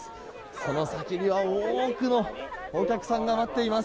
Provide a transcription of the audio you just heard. その先には多くのお客さんが待っています。